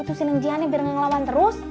itu sini cihan nih biar nge ngelawan terus